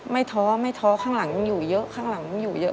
ท้อไม่ท้อข้างหลังยังอยู่เยอะข้างหลังยังอยู่เยอะ